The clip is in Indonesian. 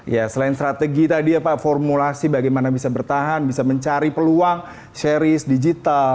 ya selain strategi tadi ya pak formulasi bagaimana bisa bertahan bisa mencari peluang series digital